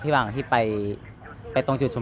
เวลาที่สุดตอนที่สุด